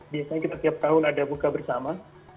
biasanya kita tiap tahun ada buka bersama